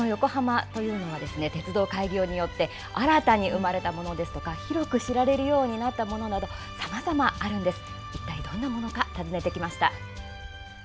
その横浜というのは鉄道開業によって新たに生まれたものですとか広く知られるようになったものなど、さまざまあるんです。